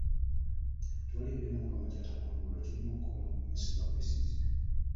Tewali mbeera mukama gy'atagonjoola, ky’olina okukola kumwesiga bwesizi.